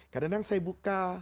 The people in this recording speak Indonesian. kadang kadang saya buka